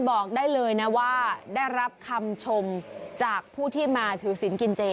บอกได้เลยนะว่าได้รับคำชมจากผู้ที่มาถือศิลปกินเจ